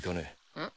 うん？